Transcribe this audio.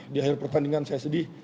di akhir pertandingan saya sedih